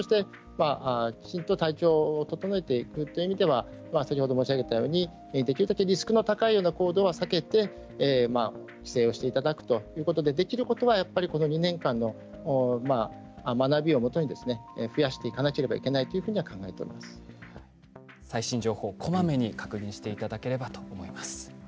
きちんと体調を整えていくという意味では先ほど申し上げたようにできるだけリスクの高いような行動は避けて帰省していただくということでできることは、この２年間の学びをもとに増やしていかなけ最新情報をこまめに、確認していただければと思います。